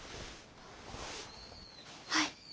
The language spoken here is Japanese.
はい。